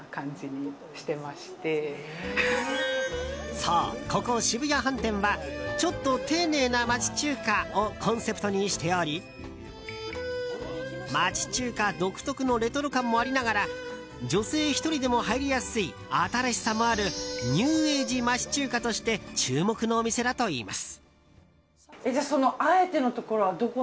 そう、ここ澁谷飯店はちょっと丁寧な町中華をコンセプトにしており町中華独特のレトロ感もありながら女性１人でも入りやすい新しさもあるニューエイジ町中華として注目のお店だといいます。